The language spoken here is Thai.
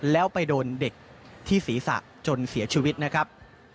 แล้วไปโดนเด็กที่ศีรษะจนเสียชีวิตนะครับ